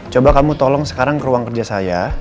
coba kamu tolong sekarang ke ruang kerja saya